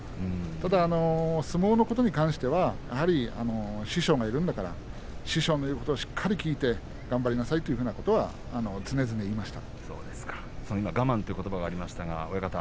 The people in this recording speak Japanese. ただ、相撲のことに関しては師匠がいるんだから師匠の言うことをしっかり聞いて頑張りなさいというようなことは常々言いました。